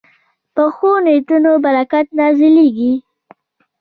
پخو نیتونو برکت نازلېږي